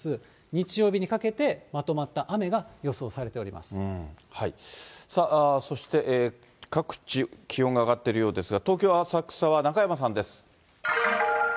日曜日にかけてまとまった雨が予そして各地、気温が上がっているようですが、東京・浅草は中山さんです。